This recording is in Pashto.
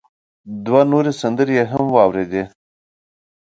دوه نورې سندرې يې هم واورېدې.